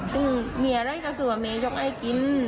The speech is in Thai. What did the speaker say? ซึ่งมีอะไรก็คือว่าแม่ยกให้กิน